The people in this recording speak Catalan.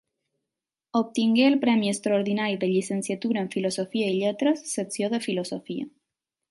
Obtingué el Premi Extraordinari de Llicenciatura en Filosofia i Lletres, Secció de Filosofia.